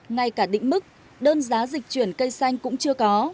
ngay cả định mức đơn giá dịch chuyển cây xanh cũng chưa có